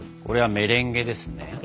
これはメレンゲですね？